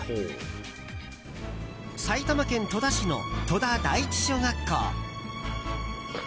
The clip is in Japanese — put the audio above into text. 埼玉県戸田市の戸田第一小学校。